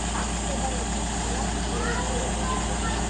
მდებარეობდა ქალაქ ოლიმპიაში.